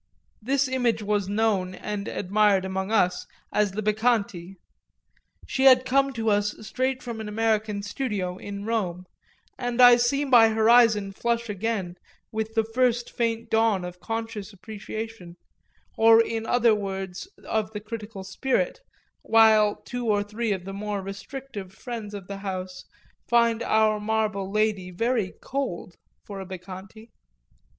This image was known and admired among us as the Bacchante; she had come to us straight from an American studio in Rome, and I see my horizon flush again with the first faint dawn of conscious appreciation, or in other words of the critical spirit, while two or three of the more restrictive friends of the house find our marble lady very "cold" for a Bacchante.